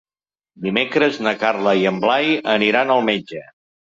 Dimecres na Carla i en Blai aniran al metge.